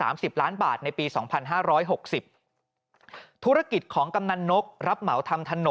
ปี๖๕วันเกิดปี๖๔ไปร่วมงานเช่นเดียวกัน